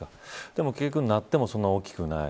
でも結局、鳴ってもそんなに大きくない。